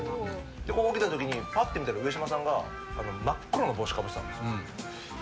ここに来た時にパッて見たら上島さんが真っ黒の帽子かぶってたんすよ。